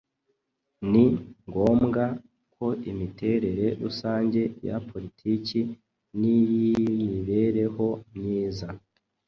ni ngombwa ko imiterere rusange ya politiki n'iy'imibereho myiza